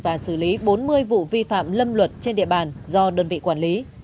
và xử lý bốn mươi vụ vi phạm lâm luật trên địa bàn do đơn vị quản lý